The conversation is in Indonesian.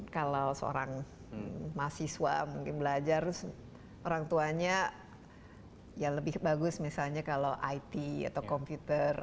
kalau seorang mahasiswa mungkin belajar orang tuanya ya lebih bagus misalnya kalau it atau komputer